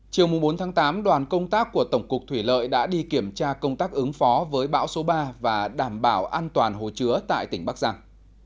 chiều bốn tám đoàn công tác của tổng cục thủy lợi đã đi kiểm tra công tác ứng phó với bão số ba và đảm bảo an toàn hồ chứa tại tỉnh bắc giang